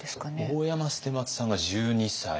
大山捨松さんが１２歳。